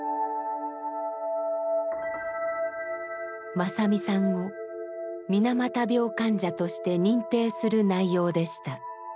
正実さんを水俣病患者として認定する内容でした。